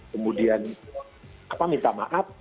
kemudian minta maaf